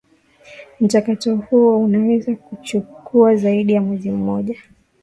mchakato huo unaweza kuchukua zaidi ya mwezi mmoja